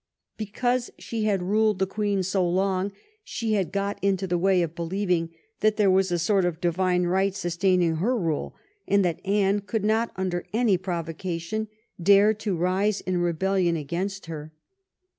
Because she had ruled the Queen so long she had got into the way of believing that there was a sort of divine right sustaining her rule, and that Anne could not, under any provocation, dare to rise in rebellion against her.